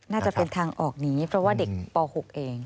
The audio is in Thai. น่าจะเป็นทางออกนี้เพราะว่าเด็กป๖เอง